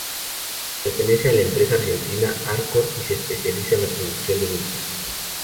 Pertenece a la empresa argentina Arcor y se especializa en la producción de dulces.